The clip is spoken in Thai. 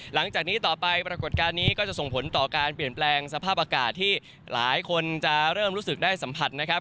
หลังจากนี้ต่อไปปรากฏการณ์นี้ก็จะส่งผลต่อการเปลี่ยนแปลงสภาพอากาศที่หลายคนจะเริ่มรู้สึกได้สัมผัสนะครับ